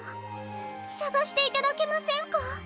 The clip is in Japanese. さがしていただけませんか？